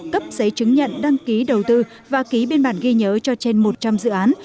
cấp giấy chứng nhận đăng ký đầu tư và ký biên bản ghi nhớ cho trên một trăm linh dự án